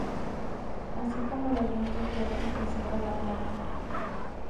Así como los vientos fuertes, que seca la planta.